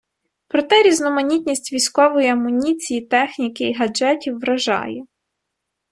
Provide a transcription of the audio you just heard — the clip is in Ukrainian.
Проте різноманітність військової амуніції, техніки і гаджетів вражає.